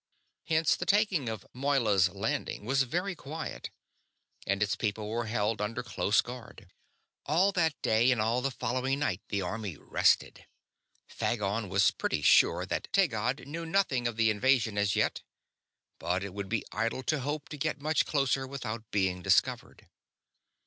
Hence the taking of Moyla's Landing was very quiet, and its people were held under close guard. All that day and all the following night the army rested. Phagon was pretty sure that Taggad knew nothing of the invasion as yet; but it would be idle to hope to get much closer without being discovered.